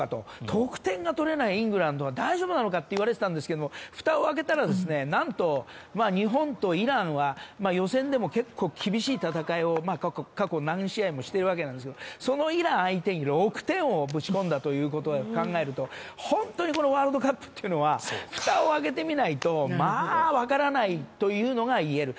得点が取れないイングランドは大丈夫なのかといわれてたんですがふたを開けたらなんと日本とイランは予選でも結構厳しい戦いを過去何試合もしている中ですがそのイラン相手に６点をぶち込んだということを考えると本当にワールドカップというのはふたを開けてみないとまあ、わからないというのが言える。